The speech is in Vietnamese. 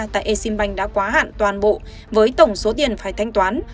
tại eximbank đã quá hạn toàn bộ với tổng số tiền phải thanh toán